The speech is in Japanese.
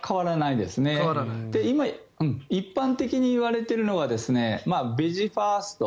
今、一般的に言われているのはベジファースト